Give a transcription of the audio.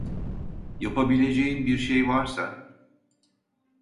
Yapabileceğim bir şey varsa…